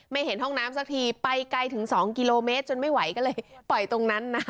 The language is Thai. เห็นห้องน้ำสักทีไปไกลถึง๒กิโลเมตรจนไม่ไหวก็เลยปล่อยตรงนั้นนะ